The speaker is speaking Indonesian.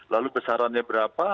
lalu besarannya berapa